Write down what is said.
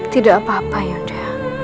tidak apa apa yunda